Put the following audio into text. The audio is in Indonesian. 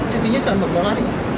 cutinya selama berapa hari